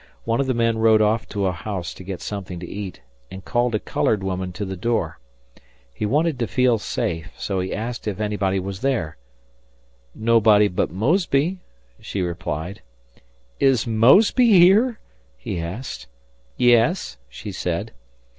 One of the men rode off to a house to get something to eat and called a colored woman to the door. He wanted to feel safe, so he asked if anybody was there. "Nobody but Mosby," she replied. "Is Mosby here?" he asked. "Yes," she said.